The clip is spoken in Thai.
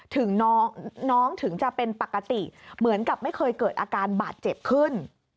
น้องถึงจะเป็นปกติเหมือนกับไม่เคยเกิดอาการบาดเจ็บขึ้น